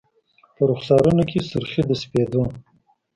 په رخسارونو کي سر خې د سپید و